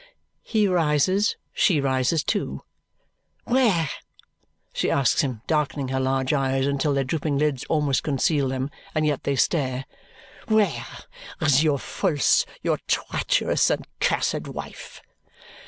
He rises; she rises too. "Where," she asks him, darkening her large eyes until their drooping lids almost conceal them and yet they stare, "where is your false, your treacherous, and cursed wife?"